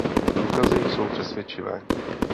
Důkazy jsou přesvědčivé.